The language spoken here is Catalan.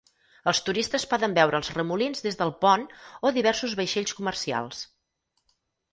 Els turistes poden veure els remolins des del pont o diversos vaixells comercials.